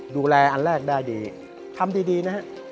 ดูแลอันแรกได้ดีทำดีนะฮะ